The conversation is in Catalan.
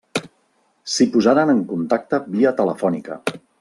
S'hi posaren en contacte via telefònica.